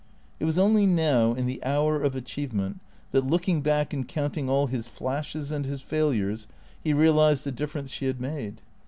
It was only now, in the hour of achievement, that, looking back and counting all his flashes and his failures, he realized the difference she had made.